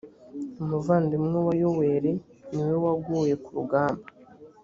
umuvandimwe wa yoweli niwe waguye kurugamba